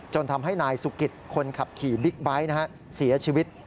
ทำให้นายสุกิตคนขับขี่บิ๊กไบท์เสียชีวิต